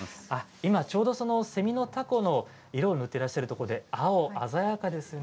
今ちょうどセミの凧の色を塗っていらっしゃるところで青、鮮やかですね。